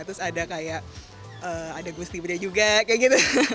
terus ada kayak ada gusti bria juga kayak gitu